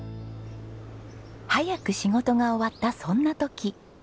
早く仕事が終わったそんな時。